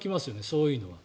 そういうのは。